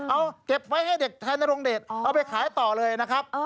เอาเก็บไว้ให้เด็กไทยนรงเดชเอาไปขายต่อเลยนะครับ